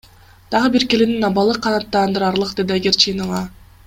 Дагы бир келиндин абалы канаттандыраарлык, — деди Айгерчинова.